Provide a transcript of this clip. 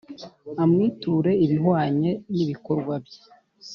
amwiture ibihwanye n’ibikorwa bye.